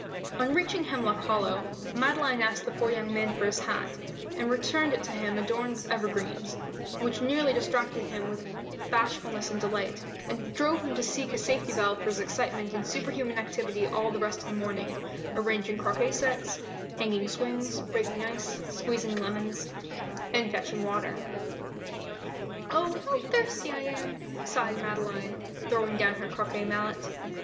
On reaching Hemlock Hollow, Madeline asked the poor young man for his hat, and returned it to him adorned with evergreens, which nearly distracted him with bashfulness and delight, and drove him to seek a safety valve for his excitement in superhuman activity all the rest of the morning, arranging croquet sets, hanging swings, breaking ice, squeezing lemons, and fetching water. "Oh, how thirsty I am!" sighed Madeline, throwing down her croquet mallet.